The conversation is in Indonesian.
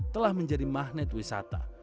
telah menjadi magnet wisata